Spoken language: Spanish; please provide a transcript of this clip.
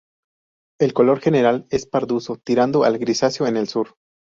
El color general es pardusco, tirando al grisáceo en el sur.